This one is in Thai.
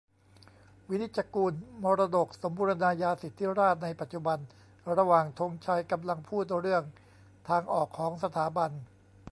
วินิจจะกูล 'มรดกสมบูรณาญาสิทธิราชย์ในปัจจุบัน' ระหว่างธงชัยกำลังพูดเรื่องทางออกของสถาบัน